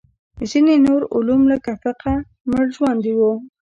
ځینې نور علوم لکه فقه مړژواندي وو.